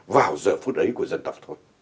vào giờ phút ấy của dân tộc thôi